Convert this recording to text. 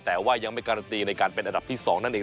แต่ว่ายังไม่การันตีในการเป็นอันดับที่๒นั่นเอง